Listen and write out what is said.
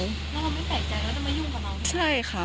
แล้วเราไม่ใจใจแล้วจะมายุ่งกับเรา